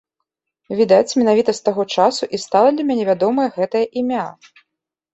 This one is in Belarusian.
Відаць, менавіта з таго часу і стала для мяне вядомае гэтае імя.